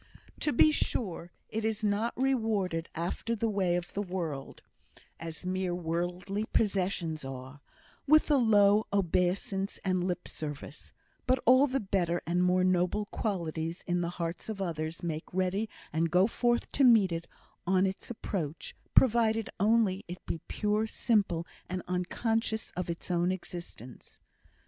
To be sure, it is not rewarded after the way of the world as mere worldly possessions are, with low obeisance and lip service; but all the better and more noble qualities in the hearts of others make ready and go forth to meet it on its approach, provided only it be pure, simple, and unconscious of its own existence.